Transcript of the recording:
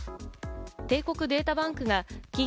帝国データバンクが企業